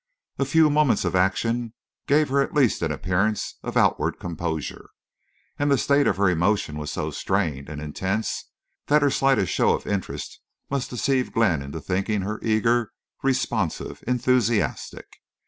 A few moments of action gave her at least an appearance of outward composure. And the state of her emotion was so strained and intense that her slightest show of interest must deceive Glenn into thinking her eager, responsive, enthusiastic.